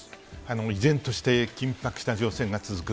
依然として緊迫した情勢が続く